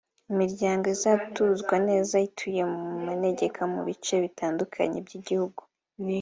Imiryango izatuzwa neza ituye mu manegeka mu bice bitandukanye by’igihugu